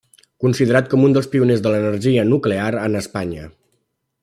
Considerat com un dels pioners de l'energia nuclear en Espanya.